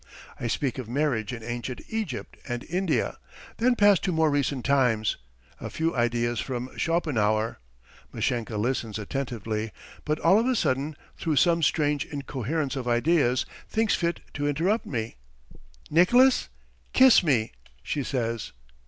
I speak of marriage in ancient Egypt and India, then pass to more recent times, a few ideas from Schopenhauer. Mashenka listens attentively, but all of a sudden, through some strange incoherence of ideas, thinks fit to interrupt me: "Nicolas, kiss me!" she says.